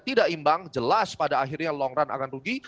tidak imbang jelas pada akhirnya long run akan rugi